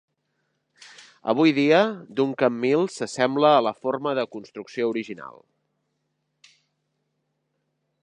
Avui dia, Duncan Mills s'assembla a la forma de construcció original.